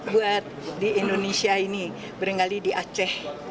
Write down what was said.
buat di indonesia ini berenggali di aceh